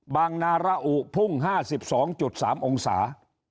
นาระอุพุ่ง๕๒๓องศา